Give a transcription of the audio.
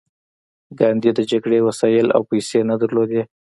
ګاندي د جګړې وسایل او پیسې نه درلودې